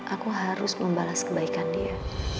aku harus membalas kebaikan dia